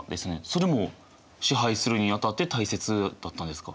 それも支配するにあたって大切だったんですか？